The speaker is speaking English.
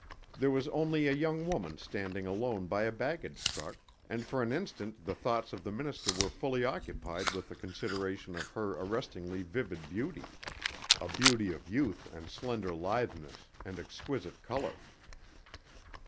There was only a young woman standing alone by a baggage truck and for an instant the thoughts of the minister were fully occupied with the consideration of her arrestingly vivid beauty: a beauty of youth and slender litheness and exquisite color.